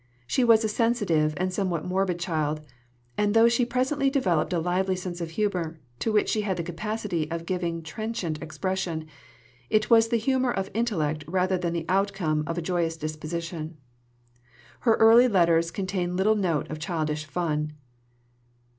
She was a sensitive, and a somewhat morbid child; and though she presently developed a lively sense of humour, to which she had the capacity of giving trenchant expression, it was the humour of intellect rather than the outcome of a joyous disposition. Her early letters contain little note of childish fun.